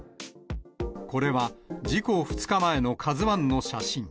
これは、事故２日前のＫＡＺＵＩの写真。